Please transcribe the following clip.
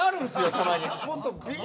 たまに。